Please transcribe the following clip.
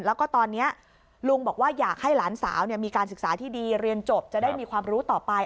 แล้วก็ตอนนี้ลุงบอกว่าอยากให้หลานสาวมีการศึกษาที่ดีเรียนจบจะได้มีความรู้ต่อไป